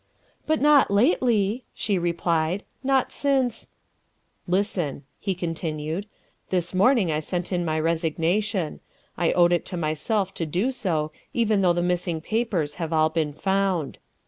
" But not lately," she replied, " not since "" Listen," he continued. " This morning I sent in my resignation. I owed it to myself to do so even though the missing papers have all been found.